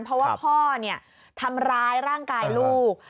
เพราะว่าพ่อทำร้ายร่างกายลูก